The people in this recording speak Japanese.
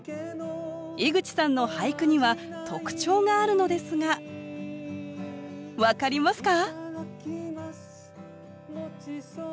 井口さんの俳句には特徴があるのですが分かりますか？